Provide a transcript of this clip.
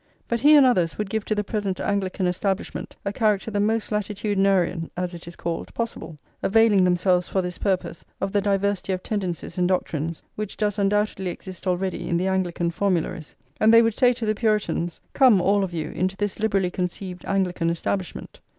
But he and others would give to the present Anglican Establishment a character the most latitudinarian, as it is called, possible; availing themselves for this [xxxvi] purpose of the diversity of tendencies and doctrines which does undoubtedly exist already in the Anglican formularies; and they would say to the Puritans: "Come all of you into this liberally conceived Anglican Establishment."